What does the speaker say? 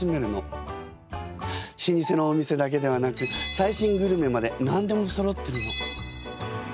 老舗のお店だけではなく最新グルメまで何でもそろってるの。